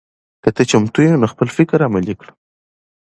که ته چمتو یې نو خپل فکر عملي کړه.